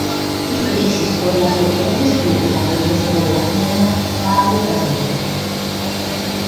Hizo crisis por las crecientes críticas al ministro de Hacienda, Pablo Ramírez.